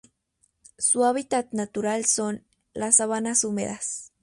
Su hábitat natural son: las sabanas húmedas.